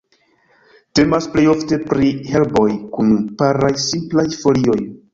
Temas plejofte pri herboj kun paraj, simplaj folioj.